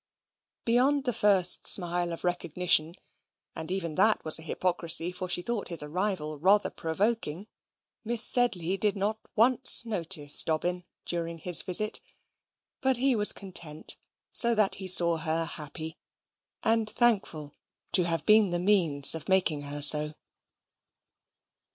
Beyond the first smile of recognition and even that was an hypocrisy, for she thought his arrival rather provoking Miss Sedley did not once notice Dobbin during his visit. But he was content, so that he saw her happy; and thankful to have been the means of making her so.